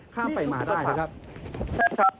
ข้ามไปมาได้นะครับ